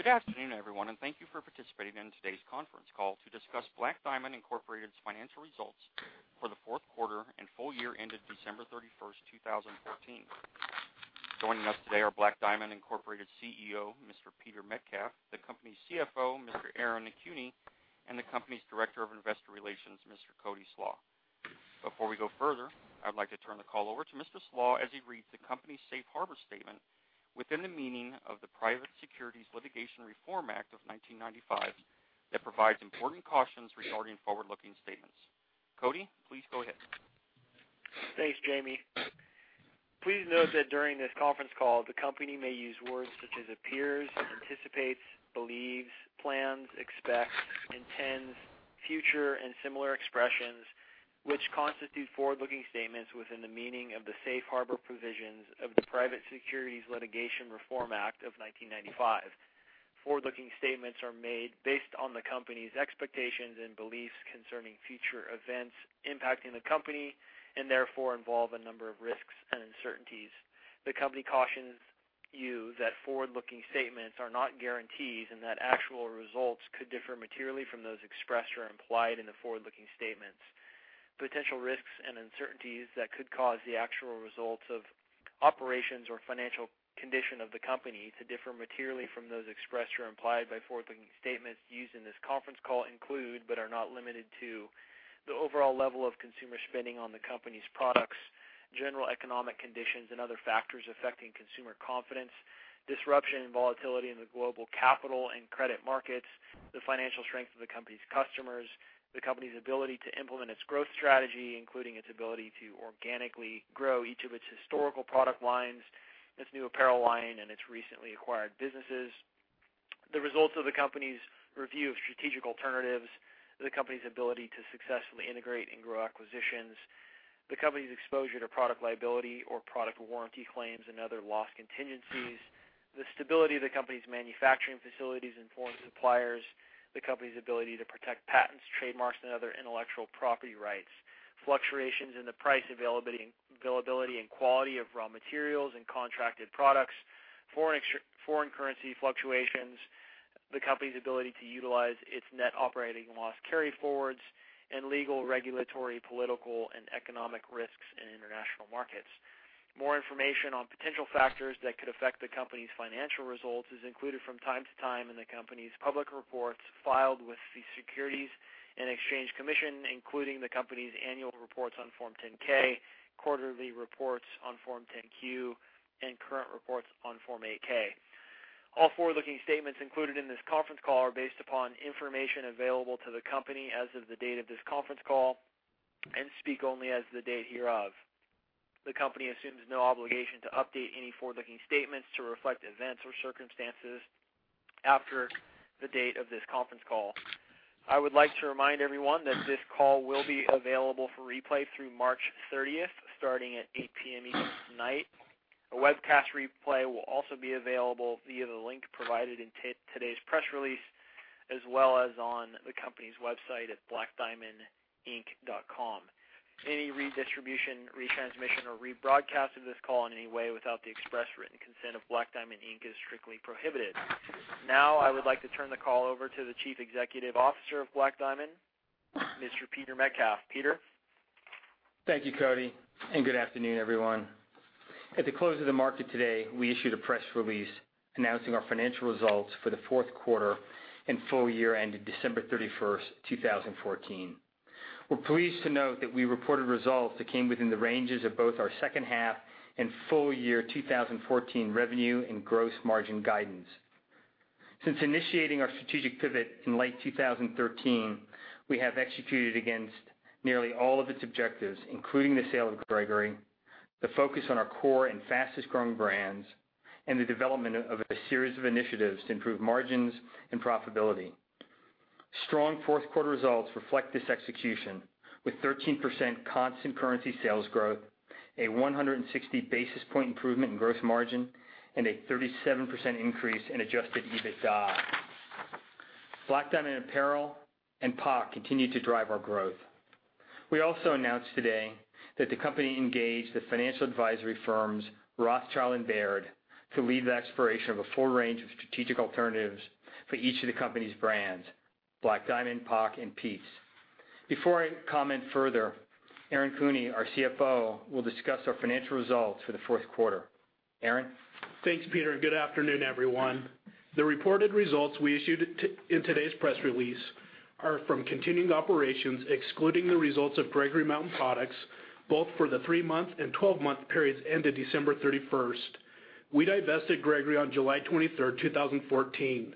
Good afternoon, everyone, and thank you for participating in today's conference call to discuss Black Diamond Incorporated's Financial Results for the Fourth Quarter and Full Year ended December 31st, 2014. Joining us today are Black Diamond Incorporated CEO, Mr. Peter Metcalf, the company's CFO, Mr. Aaron Kuehne, and the company's Director of Investor Relations, Mr. Cody Slach. Before we go further, I would like to turn the call over to Mr. Slach as he reads the company's safe harbor statement within the meaning of the Private Securities Litigation Reform Act of 1995 that provides important cautions regarding forward-looking statements. Cody, please go ahead. Thanks, Jamie. Please note that during this conference call, the company may use words such as appears, anticipates, believes, plans, expects, intends, future and similar expressions, which constitute forward-looking statements within the meaning of the safe harbor provisions of the Private Securities Litigation Reform Act of 1995. Forward-looking statements are made based on the company's expectations and beliefs concerning future events impacting the company, and therefore involve a number of risks and uncertainties. The company cautions you that forward-looking statements are not guarantees, and that actual results could differ materially from those expressed or implied in the forward-looking statements. Potential risks and uncertainties that could cause the actual results of operations or financial condition of the company to differ materially from those expressed or implied by forward-looking statements used in this conference call include, but are not limited to, the overall level of consumer spending on the company's products, general economic conditions and other factors affecting consumer confidence, disruption and volatility in the global capital and credit markets, the financial strength of the company's customers, the company's ability to implement its growth strategy, including its ability to organically grow each of its historical product lines, its new apparel line, and its recently acquired businesses. The results of the company's review of strategic alternatives, the company's ability to successfully integrate and grow acquisitions, the company's exposure to product liability or product warranty claims and other loss contingencies, the stability of the company's manufacturing facilities and foreign suppliers, the company's ability to protect patents, trademarks, and other intellectual property rights, fluctuations in the price availability and quality of raw materials and contracted products, foreign currency fluctuations, the company's ability to utilize its net operating loss carryforwards, and legal, regulatory, political, and economic risks in international markets. More information on potential factors that could affect the company's financial results is included from time to time in the company's public reports filed with the Securities and Exchange Commission, including the company's annual reports on Form 10-K, quarterly reports on Form 10-Q, and current reports on Form 8-K. All forward-looking statements included in this conference call are based upon information available to the company as of the date of this conference call and speak only as of the date hereof. The company assumes no obligation to update any forward-looking statements to reflect events or circumstances after the date of this conference call. I would like to remind everyone that this call will be available for replay through March 30th, starting at 8:00 P.M. Eastern tonight. A webcast replay will also be available via the link provided in today's press release, as well as on the company's website at blackdiamondinc.com. Any redistribution, retransmission, or rebroadcast of this call in any way without the express written consent of Black Diamond, Inc. is strictly prohibited. I would like to turn the call over to the Chief Executive Officer of Black Diamond, Inc., Mr. Peter Metcalf. Peter? Thank you, Cody, and good afternoon, everyone. At the close of the market today, we issued a press release announcing our financial results for the fourth quarter and full year ended December 31st, 2014. We're pleased to note that we reported results that came within the ranges of both our second half and full year 2014 revenue and gross margin guidance. Since initiating our strategic pivot in late 2013, we have executed against nearly all of its objectives, including the sale of Gregory, the focus on our core and fastest-growing brands, and the development of a series of initiatives to improve margins and profitability. Strong fourth quarter results reflect this execution with 13% constant currency sales growth, a 160 basis point improvement in gross margin, and a 37% increase in adjusted EBITDA. Black Diamond Apparel and POC continue to drive our growth. We also announced today that the company engaged the financial advisory firms Rothschild and Baird to lead the exploration of a full range of strategic alternatives for each of the company's brands, Black Diamond, POC, and PIEPS. Before I comment further, Aaron Kuehne, our CFO, will discuss our financial results for the fourth quarter. Aaron? Thanks, Peter, and good afternoon, everyone. The reported results we issued in today's press release are from continuing operations, excluding the results of Gregory Mountain Products, both for the three-month and 12-month periods ended December 31st. We divested Gregory on July 23rd, 2014.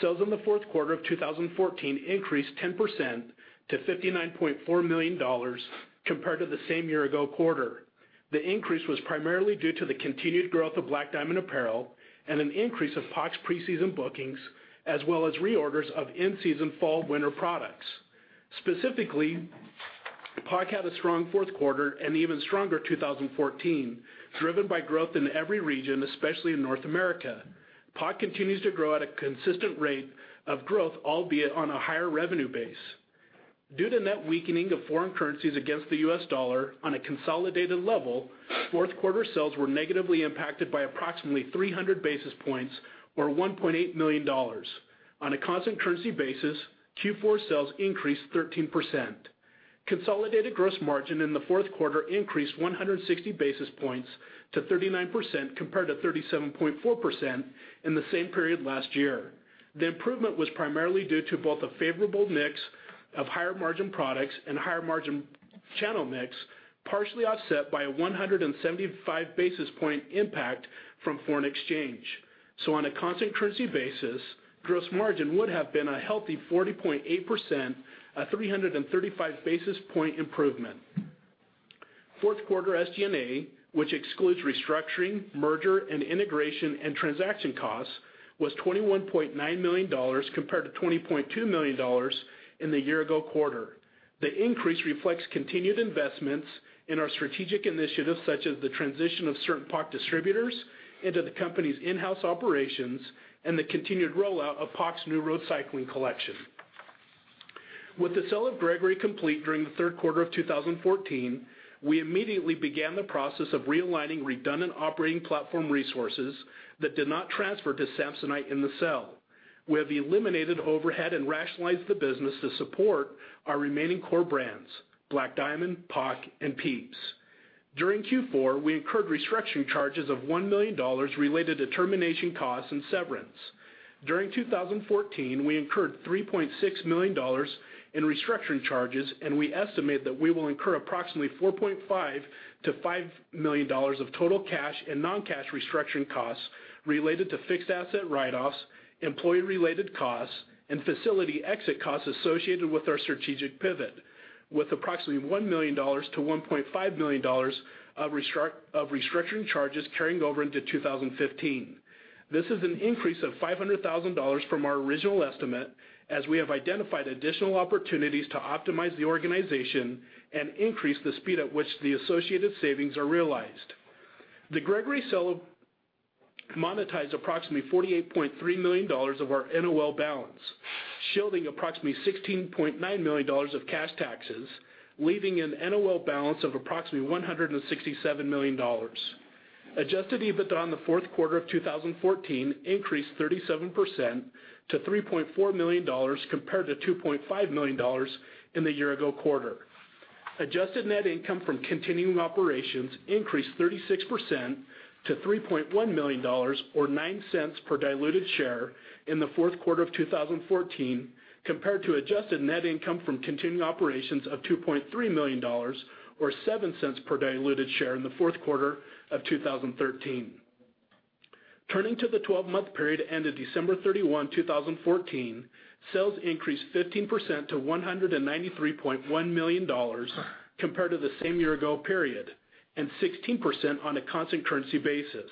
Sales in the fourth quarter of 2014 increased 10% to $59.4 million compared to the same year-ago quarter. The increase was primarily due to the continued growth of Black Diamond Apparel and an increase of POC's preseason bookings, as well as reorders of in-season fall/winter products. Specifically, POC had a strong fourth quarter and even stronger 2014, driven by growth in every region, especially in North America. POC continues to grow at a consistent rate of growth, albeit on a higher revenue base. Due to net weakening of foreign currencies against the US dollar on a consolidated level, fourth quarter sales were negatively impacted by approximately 300 basis points or $1.8 million. On a constant currency basis, Q4 sales increased 13%. Consolidated gross margin in the fourth quarter increased 160 basis points to 39%, compared to 37.4% in the same period last year. The improvement was primarily due to both the favorable mix of higher margin products and higher margin channel mix, partially offset by a 175 basis point impact from foreign exchange. On a constant currency basis, gross margin would have been a healthy 40.8%, a 335 basis point improvement. Fourth quarter SG&A, which excludes restructuring, merger and integration, and transaction costs, was $21.9 million, compared to $20.2 million in the year ago quarter. The increase reflects continued investments in our strategic initiatives, such as the transition of certain POC distributors into the company's in-house operations, and the continued rollout of POC's new road cycling collection. With the sale of Gregory complete during the third quarter of 2014, we immediately began the process of realigning redundant operating platform resources that did not transfer to Samsonite in the sale. We have eliminated overhead and rationalized the business to support our remaining core brands, Black Diamond, POC, and PIEPS. During Q4, we incurred restructuring charges of $1 million related to termination costs and severance. During 2014, we incurred $3.6 million in restructuring charges. We estimate that we will incur approximately $4.5 million-$5 million of total cash and non-cash restructuring costs related to fixed asset write-offs, employee-related costs, and facility exit costs associated with our strategic pivot, with approximately $1 million-$1.5 million of restructuring charges carrying over into 2015. This is an increase of $500,000 from our original estimate, as we have identified additional opportunities to optimize the organization and increase the speed at which the associated savings are realized. The Gregory sale monetized approximately $48.3 million of our NOL balance, shielding approximately $16.9 million of cash taxes, leaving an NOL balance of approximately $167 million. Adjusted EBITDA on the fourth quarter of 2014 increased 37% to $3.4 million, compared to $2.5 million in the year-ago quarter. Adjusted net income from continuing operations increased 36% to $3.1 million or $0.09 per diluted share in the fourth quarter of 2014, compared to adjusted net income from continuing operations of $2.3 million or $0.07 per diluted share in the fourth quarter of 2013. Turning to the 12-month period ended December 31, 2014. Sales increased 15% to $193.1 million compared to the same year ago period, and 16% on a constant currency basis.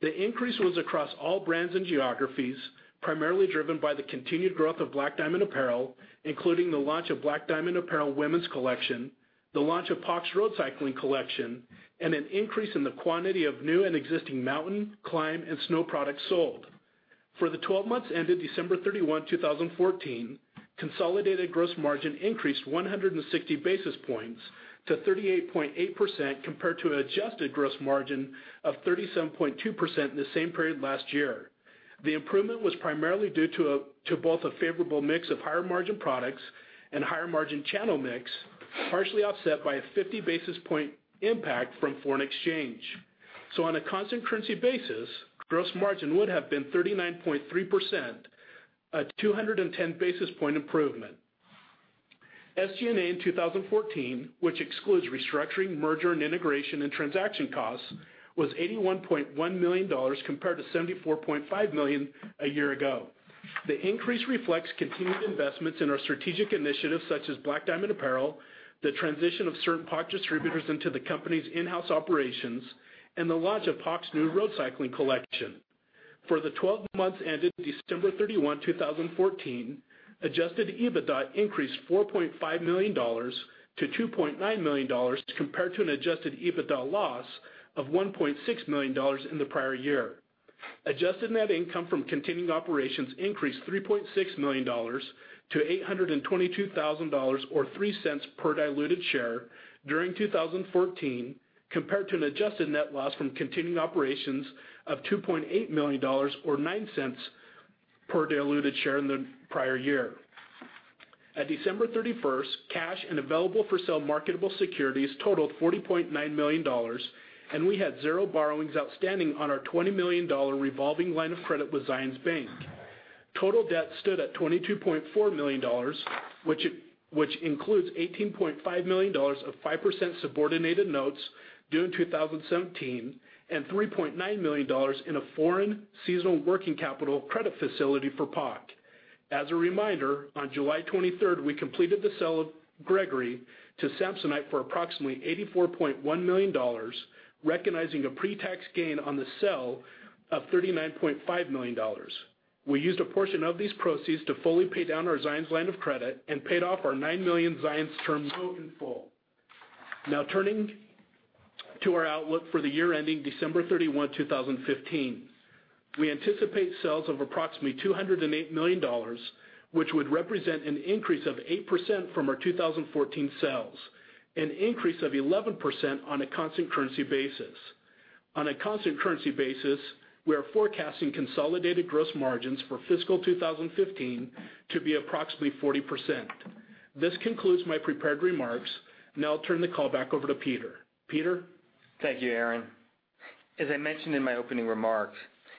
The increase was across all brands and geographies, primarily driven by the continued growth of Black Diamond Apparel, including the launch of Black Diamond Apparel women's collection, the launch of POC's road cycling collection, and an increase in the quantity of new and existing mountain, climb, and snow products sold. For the 12 months ended December 31, 2014, consolidated gross margin increased 160 basis points to 38.8%, compared to an adjusted gross margin of 37.2% in the same period last year. The improvement was primarily due to both a favorable mix of higher margin products and higher margin channel mix, partially offset by a 50 basis point impact from foreign exchange. On a constant currency basis, gross margin would have been 39.3%, a 210 basis point improvement. SG&A in 2014, which excludes restructuring, merger and integration, and transaction costs, was $81.1 million, compared to $74.5 million a year ago. The increase reflects continued investments in our strategic initiatives such as Black Diamond Apparel, the transition of certain POC distributors into the company's in-house operations, and the launch of POC's new road cycling collection. For the 12 months ended December 31, 2014, adjusted EBITDA increased $4.5 million to $2.9 million, compared to an adjusted EBITDA loss of $1.6 million in the prior year. Adjusted net income from continuing operations increased $3.6 million to $822,000 or $0.03 per diluted share during 2014, compared to an adjusted net loss from continuing operations of $2.8 million or $0.09 per diluted share in the prior year. At December 31st, cash and available-for-sale marketable securities totaled $40.9 million, and we had zero borrowings outstanding on our $20 million revolving line of credit with Zions Bank. Total debt stood at $22.4 million, which includes $18.5 million of 5% subordinated notes due in 2017, and $3.9 million in a foreign seasonal working capital credit facility for POC. As a reminder, on July 23rd, we completed the sale of Gregory to Samsonite for approximately $84.1 million, recognizing a pre-tax gain on the sale of $39.5 million. We used a portion of these proceeds to fully pay down our Zions line of credit and paid off our $9 million Zions term loan in full. Now turning to our outlook for the year ending December 31, 2015. We anticipate sales of approximately $208 million, which would represent an increase of 8% from our 2014 sales, an increase of 11% on a constant currency basis. On a constant currency basis, we are forecasting consolidated gross margins for fiscal 2015 to be approximately 40%. This concludes my prepared remarks. Now I'll turn the call back over to Peter. Peter? Thank you, Aaron. As I mentioned in my opening remarks,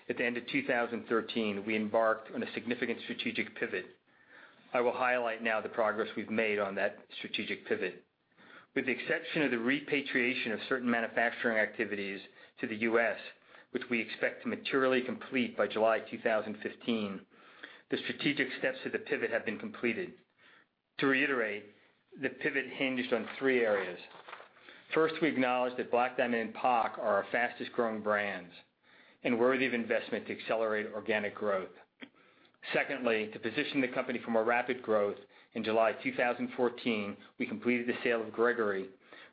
at the end of 2013, we embarked on a significant strategic pivot. I will highlight now the progress we've made on that strategic pivot. With the exception of the repatriation of certain manufacturing activities to the U.S., which we expect to materially complete by July 2015, the strategic steps to the pivot have been completed. To reiterate, the pivot hinged on three areas. First, we acknowledged that Black Diamond and POC are our fastest-growing brands and worthy of investment to accelerate organic growth. Secondly, to position the company for more rapid growth, in July 2014, we completed the sale of Gregory,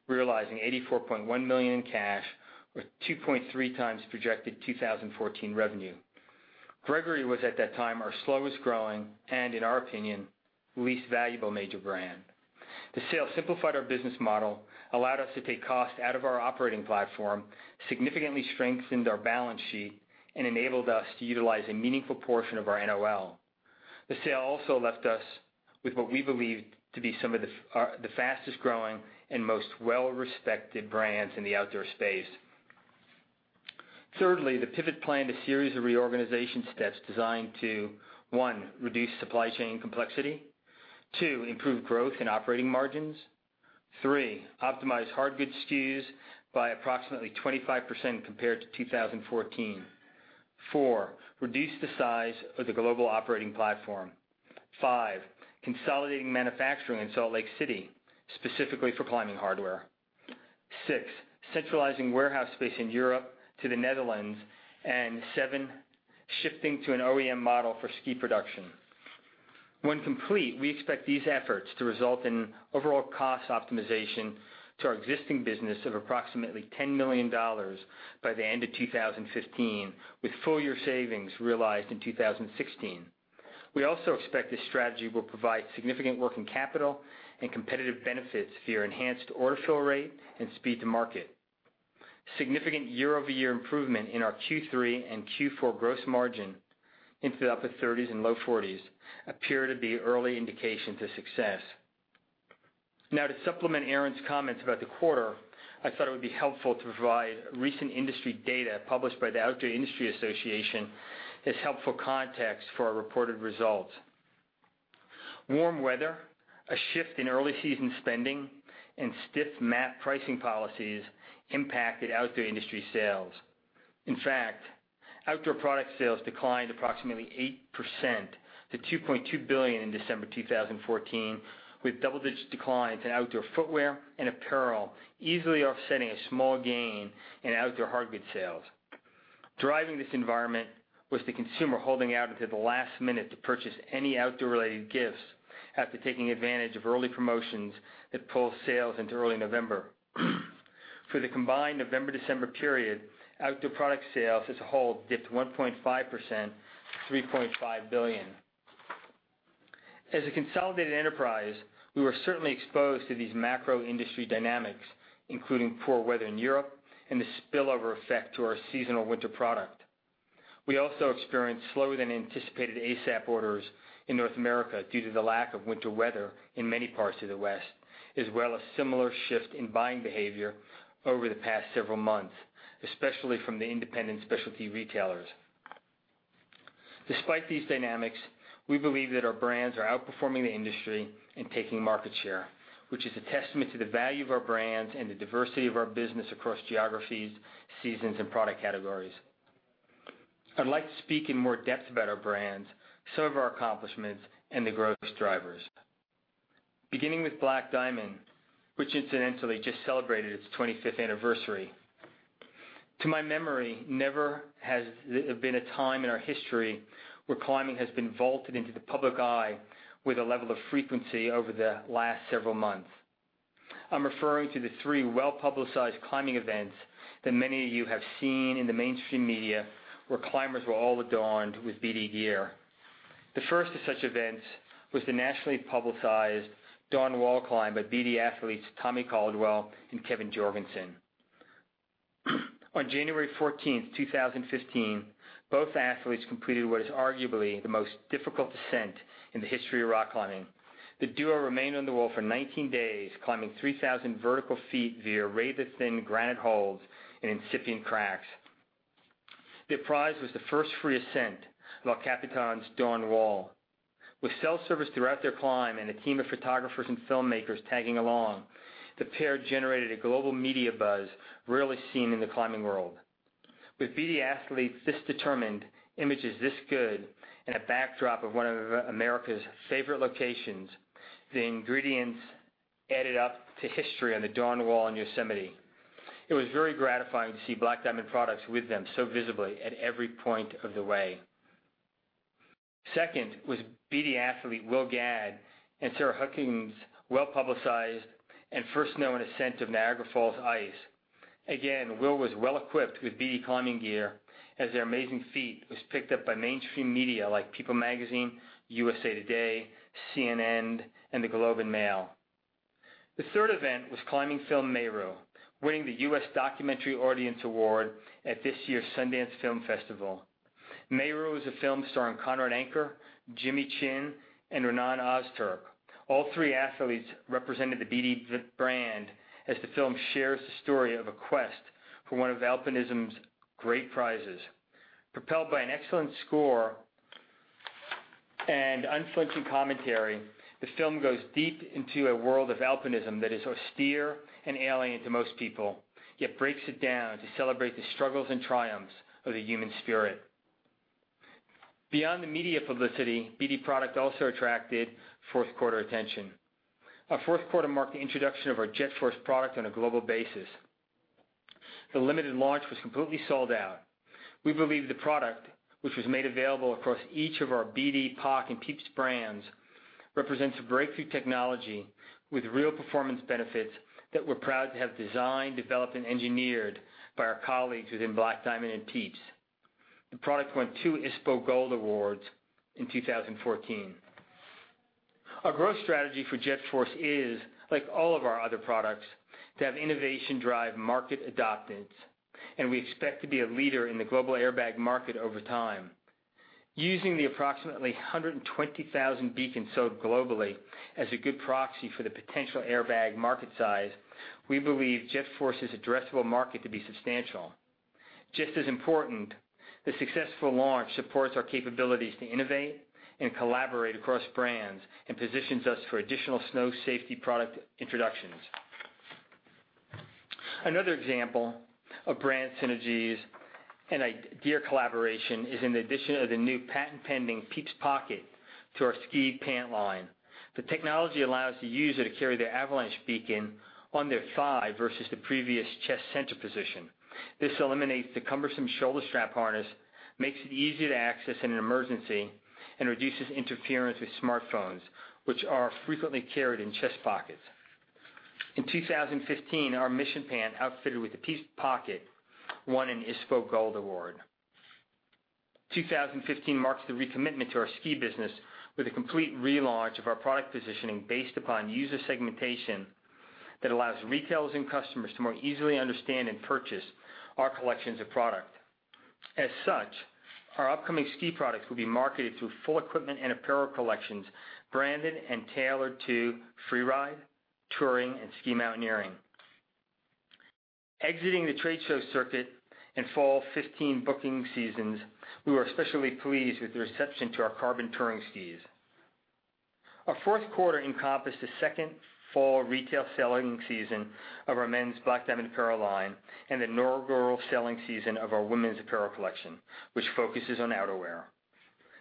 realizing $84.1 million in cash, or 2.3x projected 2014 revenue. Gregory was at that time our slowest growing and, in our opinion, least valuable major brand. The sale simplified our business model, allowed us to take cost out of our operating platform, significantly strengthened our balance sheet, and enabled us to utilize a meaningful portion of our NOL. The sale also left us with what we believe to be some of the fastest-growing and most well-respected brands in the outdoor space. Thirdly, the pivot planned a series of reorganization steps designed to, one, reduce supply chain complexity. Two, improve growth in operating margins. Three, optimize hard goods SKUs by approximately 25% compared to 2014. Four, reduce the size of the global operating platform. Five, consolidating manufacturing in Salt Lake City, specifically for climbing hardware. Six, centralizing warehouse space in Europe to the Netherlands. And seven, shifting to an OEM model for ski production. When complete, we expect these efforts to result in overall cost optimization to our existing business of approximately $10 million by the end of 2015, with full-year savings realized in 2016. We also expect this strategy will provide significant working capital and competitive benefits via enhanced order fill rate and speed to market. Significant year-over-year improvement in our Q3 and Q4 gross margin into the upper 30s and low 40s appear to be early indication to success. To supplement Aaron's comments about the quarter, I thought it would be helpful to provide recent industry data published by the Outdoor Industry Association as helpful context for our reported results. Warm weather, a shift in early-season spending, and stiff MAP pricing policies impacted outdoor industry sales. In fact, outdoor product sales declined approximately 8% to $2.2 billion in December 2014, with double-digit declines in outdoor footwear and apparel easily offsetting a small gain in outdoor hardgoods sales. Driving this environment was the consumer holding out until the last minute to purchase any outdoor-related gifts after taking advantage of early promotions that pulled sales into early November. For the combined November-December period, outdoor product sales as a whole dipped 1.5%, $3.5 billion. As a consolidated enterprise, we were certainly exposed to these macro industry dynamics, including poor weather in Europe and the spillover effect to our seasonal winter product. We also experienced slower-than-anticipated ASAP orders in North America due to the lack of winter weather in many parts of the West, as well as similar shifts in buying behavior over the past several months, especially from the independent specialty retailers. Despite these dynamics, we believe that our brands are outperforming the industry and taking market share, which is a testament to the value of our brands and the diversity of our business across geographies, seasons, and product categories. I'd like to speak in more depth about our brands, some of our accomplishments, and the growth drivers. Beginning with Black Diamond, which incidentally just celebrated its 25th anniversary. To my memory, never has there been a time in our history where climbing has been vaulted into the public eye with a level of frequency over the last several months. I'm referring to the three well-publicized climbing events that many of you have seen in the mainstream media, where climbers were all adorned with BD gear. The first of such events was the nationally publicized Dawn Wall climb by BD athletes Tommy Caldwell and Kevin Jorgeson. On January 14, 2015, both athletes completed what is arguably the most difficult ascent in the history of rock climbing. The duo remained on the wall for 19 days, climbing 3,000 vertical ft via razor-thin granite holds and incipient cracks. Their prize was the first free ascent of El Capitan's Dawn Wall. With cell service throughout their climb and a team of photographers and filmmakers tagging along, the pair generated a global media buzz rarely seen in the climbing world. With BD athletes this determined, images this good, and a backdrop of one of America's favorite locations, the ingredients added up to history on the Dawn Wall in Yosemite. It was very gratifying to see Black Diamond products with them so visibly at every point of the way. Second was BD athlete Will Gadd and Sarah Hueniken's well-publicized and first known ascent of Niagara Falls ice. Again, Will was well-equipped with BD climbing gear as their amazing feat was picked up by mainstream media like People, USA Today, CNN, and The Globe and Mail. The third event was climbing film "Meru," winning the U.S. Audience Documentary Award at this year's Sundance Film Festival. "Meru" is a film starring Conrad Anker, Jimmy Chin, and Renan Ozturk. All three athletes represented the BD brand as the film shares the story of a quest for one of alpinism's great prizes. Propelled by an excellent score and unflinching commentary, the film goes deep into a world of alpinism that is austere and alien to most people, yet breaks it down to celebrate the struggles and triumphs of the human spirit. Beyond the media publicity, BD product also attracted fourth-quarter attention. Our fourth quarter marked the introduction of our JetForce product on a global basis. The limited launch was completely sold out. We believe the product, which was made available across each of our BD, POC, and PIEPS brands, represents a breakthrough technology with real performance benefits that we're proud to have designed, developed, and engineered by our colleagues within Black Diamond and PIEPS. The product won two ISPO Gold Awards in 2014. Our growth strategy for JetForce is, like all of our other products, to have innovation drive market adoption. We expect to be a leader in the global airbag market over time. Using the approximately 120,000 beacons sold globally as a good proxy for the potential airbag market size, we believe JetForce's addressable market to be substantial. Just as important, the successful launch supports our capabilities to innovate and collaborate across brands and positions us for additional snow safety product introductions. Another example of brand synergies and gear collaboration is in the addition of the new patent-pending PIEPS Pocket to our ski pant line. The technology allows the user to carry their avalanche beacon on their thigh versus the previous chest center position. This eliminates the cumbersome shoulder strap harness, makes it easier to access in an emergency, and reduces interference with smartphones, which are frequently carried in chest pockets. In 2015, our Mission Pant outfitted with the PIEPS Pocket won an ISPO Gold Award. 2015 marks the recommitment to our ski business with a complete relaunch of our product positioning based upon user segmentation that allows retailers and customers to more easily understand and purchase our collections of product. Our upcoming ski products will be marketed through full equipment and apparel collections branded and tailored to freeride, touring, and ski mountaineering. Exiting the trade show circuit in fall 2015 booking seasons, we were especially pleased with the reception to our Carbon touring skis. Our fourth quarter encompassed the second fall retail selling season of our men's Black Diamond Apparel line and the selling season of our women's apparel collection, which focuses on outerwear.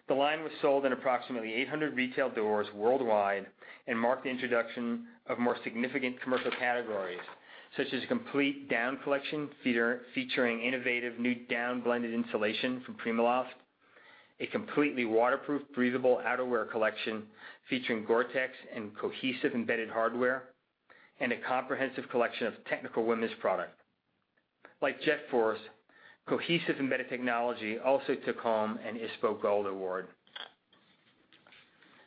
The line was sold in approximately 800 retail doors worldwide and marked the introduction of more significant commercial categories, such as a complete down collection featuring innovative new down-blended insulation from PrimaLoft, a completely waterproof, breathable outerwear collection featuring GORE-TEX and Cohaesive embedded hardware, and a comprehensive collection of technical women's product. Like JetForce, Cohaesive embedded technology also took home an ISPO Gold Award.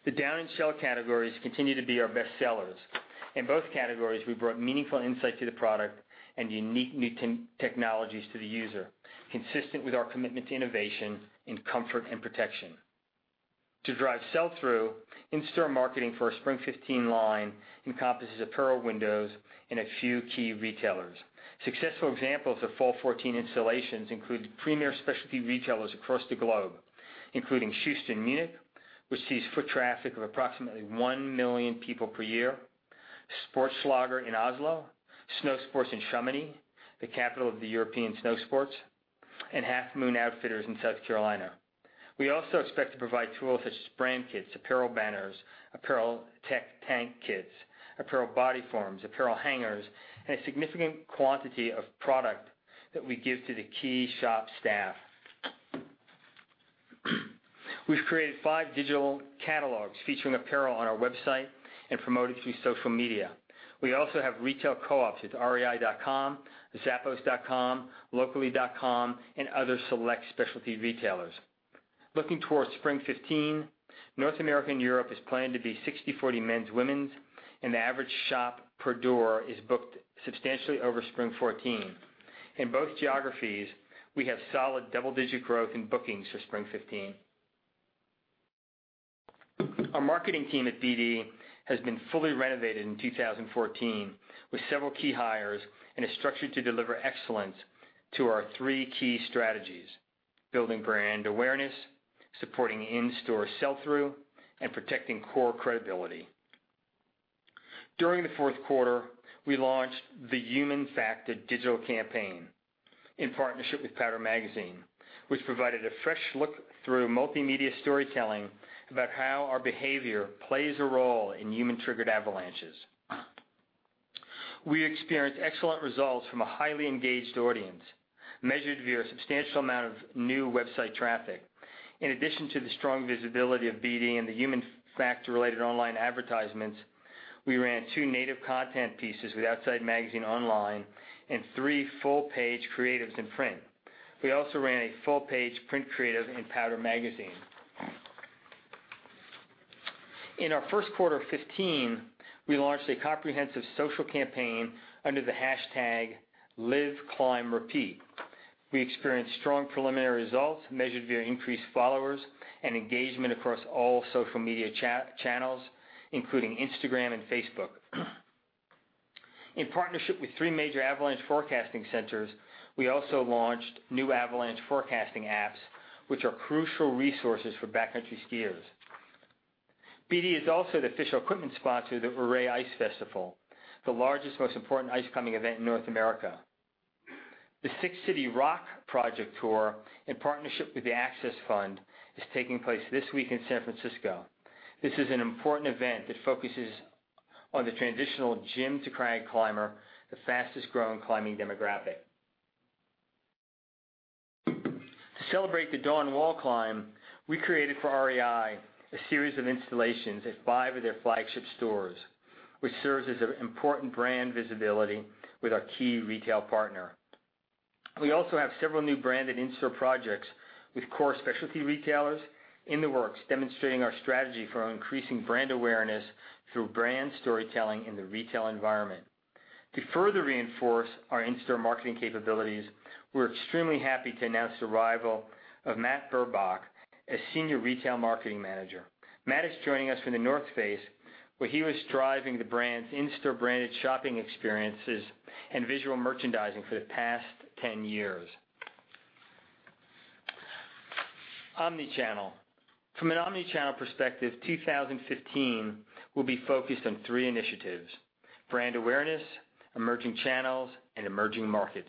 The down and shell categories continue to be our bestsellers. In both categories, we brought meaningful insight to the product and unique new technologies to the user, consistent with our commitment to innovation in comfort and protection. To drive sell-through, in-store marketing for our spring 2015 line encompasses apparel windows and a few key retailers. Successful examples of fall 2014 installations include premier specialty retailers across the globe, including Sport Schuster in Munich, which sees foot traffic of approximately 1 million people per year, Oslo Sportslager in Oslo, Snell Sports in Chamonix, the capital of the European snow sports, and Half Moon Outfitters in South Carolina. We also expect to provide tools such as brand kits, apparel banners, apparel tech tank kits, apparel body forms, apparel hangers, and a significant quantity of product that we give to the key shop staff. We've created five digital catalogs featuring apparel on our website and promote it through social media. We also have retail co-ops at rei.com, zappos.com, locally.com, and other select specialty retailers. Looking towards spring 2015, North America and Europe is planned to be 60/40 men's/women's, and the average shop per door is booked substantially over spring 2014. In both geographies, we have solid double-digit growth in bookings for spring 2015. Our marketing team at BD has been fully renovated in 2014 with several key hires and is structured to deliver excellence to our three key strategies: building brand awareness, supporting in-store sell-through, and protecting core credibility. During the fourth quarter, we launched The Human Factor digital campaign in partnership with Powder Magazine, which provided a fresh look through multimedia storytelling about how our behavior plays a role in human-triggered avalanches. We experienced excellent results from a highly engaged audience, measured via a substantial amount of new website traffic. In addition to the strong visibility of BD and The Human Factor-related online advertisements, we ran two native content pieces with Outside Magazine online and three full-page creatives in print. We also ran a full-page print creative in Powder Magazine. In our first quarter of 2015, we launched a comprehensive social campaign under the hashtag Live, Climb, Repeat. We experienced strong preliminary results measured via increased followers and engagement across all social media channels, including Instagram and Facebook. In partnership with three major avalanche forecasting centers, we also launched new avalanche forecasting apps, which are crucial resources for backcountry skiers. BD is also the official equipment sponsor of the Ouray Ice Festival, the largest, most important ice climbing event in North America. The Six City Rock Project tour, in partnership with the Access Fund, is taking place this week in San Francisco. This is an important event that focuses on the transitional gym to crag climber, the fastest-growing climbing demographic. To celebrate the Dawn Wall climb, we created for REI a series of installations at five of their flagship stores, which serves as important brand visibility with our key retail partner. We also have several new branded in-store projects with core specialty retailers in the works, demonstrating our strategy for increasing brand awareness through brand storytelling in the retail environment. To further reinforce our in-store marketing capabilities, we're extremely happy to announce the arrival of Matt Burbach as senior retail marketing manager. Matt is joining us from The North Face, where he was driving the brand's in-store branded shopping experiences and visual merchandising for the past 10 years. Omnichannel. From an omnichannel perspective, 2015 will be focused on three initiatives, brand awareness, emerging channels, and emerging markets.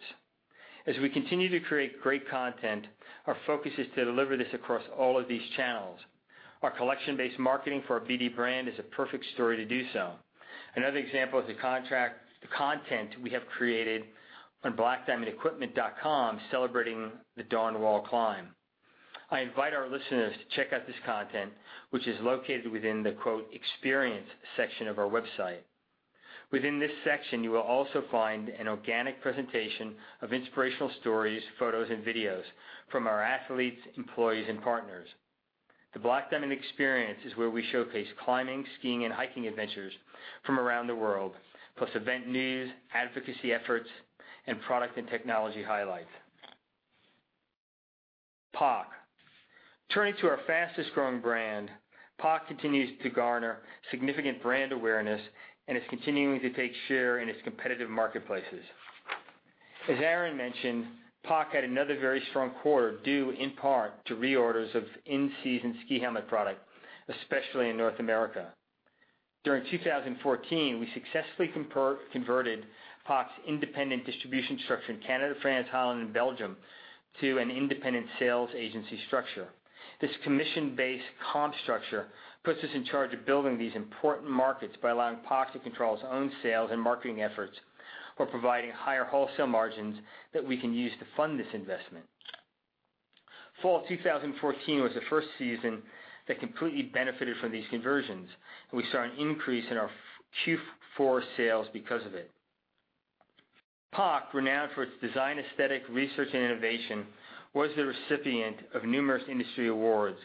As we continue to create great content, our focus is to deliver this across all of these channels. Our collection-based marketing for our BD brand is a perfect story to do so. Another example is the content we have created on blackdiamondequipment.com celebrating the Dawn Wall climb. I invite our listeners to check out this content, which is located within the "Experience section of our website." Within this section, you will also find an organic presentation of inspirational stories, photos, and videos from our athletes, employees, and partners. The Black Diamond Experience is where we showcase climbing, skiing, and hiking adventures from around the world, plus event news, advocacy efforts, and product and technology highlights. POC. Turning to our fastest-growing brand, POC continues to garner significant brand awareness and is continuing to take share in its competitive marketplaces. As Aaron mentioned, POC had another very strong quarter due in part to reorders of in-season ski helmet product, especially in North America. During 2014, we successfully converted POC's independent distribution structure in Canada, France, Holland, and Belgium to an independent sales agency structure. This commission-based comp structure puts us in charge of building these important markets by allowing POC to control its own sales and marketing efforts while providing higher wholesale margins that we can use to fund this investment. Fall 2014 was the first season that completely benefited from these conversions, and we saw an increase in our Q4 sales because of it. POC, renowned for its design aesthetic, research, and innovation, was the recipient of numerous industry awards,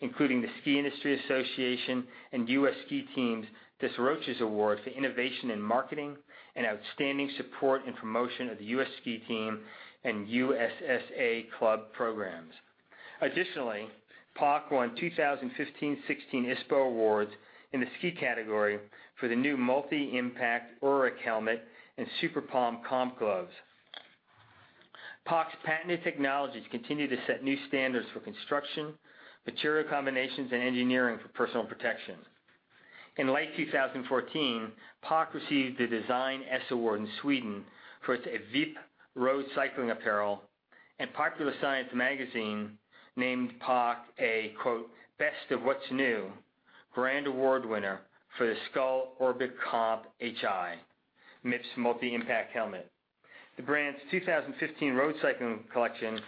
including the SIA and U.S. Ski Team's Doc DesRoches Award for innovation in marketing and outstanding support and promotion of the U.S. Ski Team and U.S. Ski & Snowboard club programs. Additionally, POC won 2015-16 ISPO awards in the ski category for the new multi-impact Auric helmet and Super Palm Comp gloves. POC's patented technologies continue to set new standards for construction, material combinations, and engineering for personal protection. In late 2014, POC received the Design S award in Sweden for its AVIP road cycling apparel, and Popular Science named POC a, quote, "Best of What's New" grand award winner for the Skull Orbic Comp H.I. MIPS multi-impact helmet. The brand's 2015 road cycling collection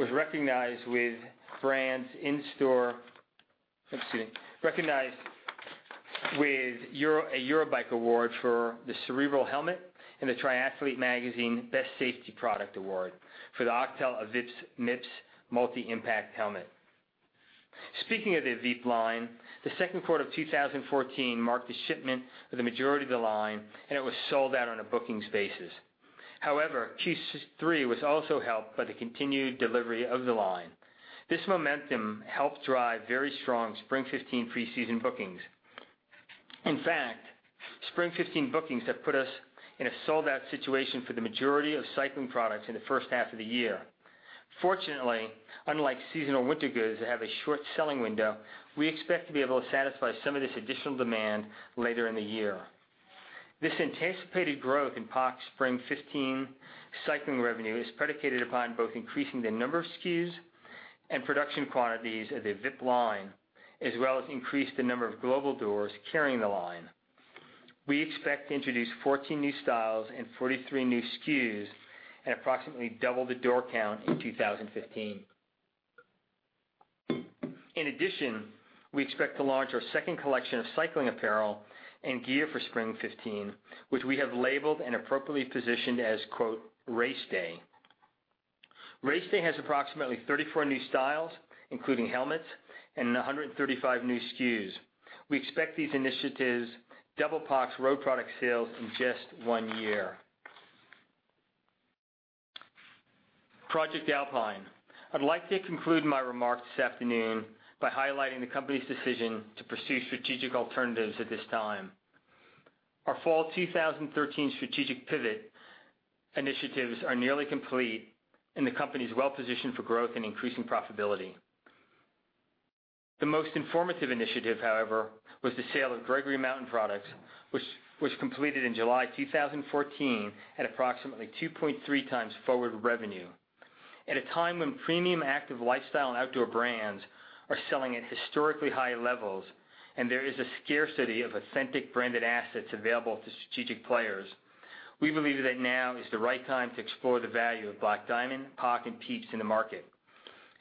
was recognized with a Eurobike award for the Cerebel helmet and the Triathlete Best Safety Product Award for the Octal AVIP MIPS multi-impact helmet. Speaking of the AVIP line, the second quarter of 2014 marked the shipment of the majority of the line, and it was sold out on a bookings basis. Q3 was also helped by the continued delivery of the line. This momentum helped drive very strong Spring 2015 preseason bookings. Spring 2015 bookings have put us in a sold-out situation for the majority of cycling products in the first half of the year. Unlike seasonal winter goods that have a short selling window, we expect to be able to satisfy some of this additional demand later in the year. This anticipated growth in POC's Spring 2015 cycling revenue is predicated upon both increasing the number of SKUs and production quantities of the AVIP line, as well as increase the number of global doors carrying the line. We expect to introduce 14 new styles and 43 new SKUs and approximately double the door count in 2015. In addition, we expect to launch our second collection of cycling apparel and gear for spring 2015, which we have labeled and appropriately positioned as, quote, "Race Day." Race Day has approximately 34 new styles, including helmets and 135 new SKUs. We expect these initiatives double POC's road product sales in just one year. Project Alpine. I'd like to conclude my remarks this afternoon by highlighting the company's decision to pursue strategic alternatives at this time. Our fall 2013 strategic pivot initiatives are nearly complete, and the company is well-positioned for growth and increasing profitability. The most informative initiative, however, was the sale of Gregory Mountain Products, which was completed in July 2014 at approximately 2.3x forward revenue. At a time when premium active lifestyle and outdoor brands are selling at historically high levels and there is a scarcity of authentic branded assets available to strategic players, we believe that now is the right time to explore the value of Black Diamond, POC, and PIEPS in the market.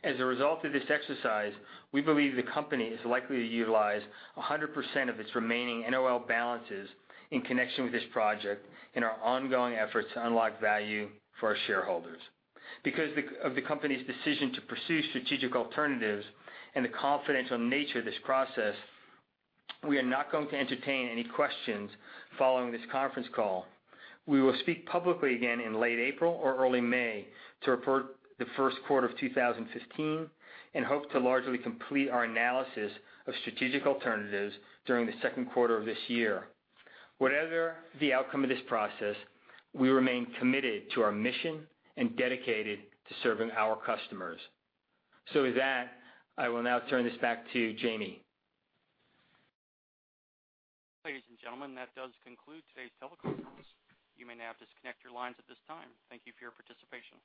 As a result of this exercise, we believe the company is likely to utilize 100% of its remaining NOL balances in connection with this project in our ongoing efforts to unlock value for our shareholders. Because of the company's decision to pursue strategic alternatives and the confidential nature of this process, we are not going to entertain any questions following this conference call. We will speak publicly again in late April or early May to report the first quarter of 2015 and hope to largely complete our analysis of strategic alternatives during the second quarter of this year. Whatever the outcome of this process, we remain committed to our mission and dedicated to serving our customers. With that, I will now turn this back to Jamie. Ladies and gentlemen, that does conclude today's teleconference. You may now disconnect your lines at this time. Thank you for your participation.